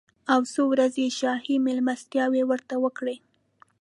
او څو ورځې یې شاهي مېلمستیاوې ورته وکړې.